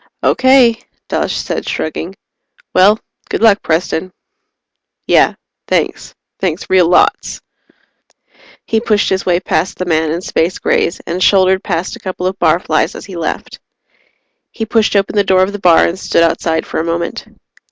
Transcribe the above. "Okay," Dawes said, shrugging. "Well good luck, Preston." "Yeah. Thanks. Thanks real lots." He pushed his way past the man in Space Grays and shouldered past a couple of barflies as he left. He pushed open the door of the bar and stood outside for a moment.